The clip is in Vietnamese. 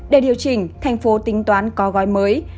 để điều chỉnh thành phố tính toán có gói mới